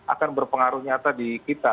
akan berpengaruh nyata di kita